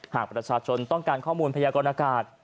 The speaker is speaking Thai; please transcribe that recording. หากประชาชนต้องการข้อมูลพยากรณากาศ